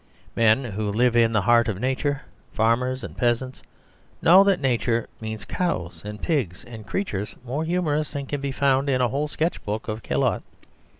Men who live in the heart of nature, farmers and peasants, know that nature means cows and pigs, and creatures more humorous than can be found in a whole sketch book of Callot.